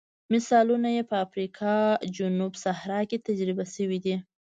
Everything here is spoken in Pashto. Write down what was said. مثالونه یې په افریقا جنوب صحرا کې تجربه شوي دي.